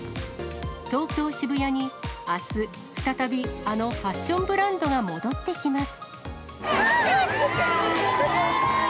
東京・渋谷に、あす、再び、あのファッションブランドが戻ってきます。